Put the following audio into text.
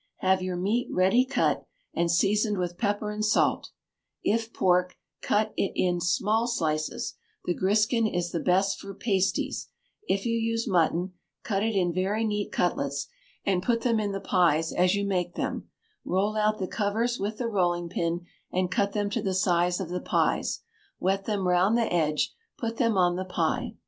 Have your meat ready cut, and seasoned with pepper and salt; if pork, cut it in small slices the griskin is the best for pasties: if you use mutton, cut it in very neat cutlets, and put them in the pies as you make them; roll out the covers with the rolling pin, and cut them to the size of the pies, wet them round the edge, put them on the pie.